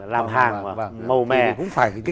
làm hàng mà mồ mè